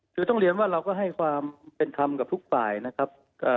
คือต้องเรียนว่าเราก็ให้ความเป็นธรรมกับทุกฝ่ายนะครับ